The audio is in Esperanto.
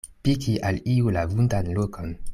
Piki al iu la vundan lokon.